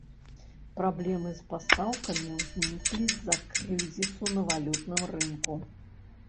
Праблемы з пастаўкамі ўзніклі з-за крызісу на валютным рынку.